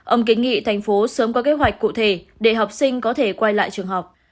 ông kiến nghị thành phố sớm có kế hoạch cụ thể để học sinh có thể quay lại trường học